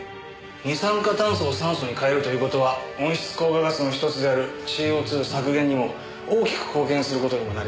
二酸化炭素を酸素に変えるという事は温室効果ガスの１つであるＣＯ２削減にも大きく貢献する事にもなりますから。